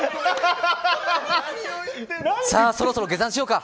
さあ、そろそろ下山しようか。